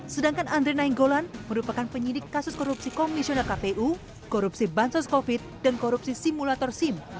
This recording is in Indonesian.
sedangkan andre nainggolan merupakan penyidik kasus korupsi komisioner kpu korupsi bansos covid dan korupsi simulator sim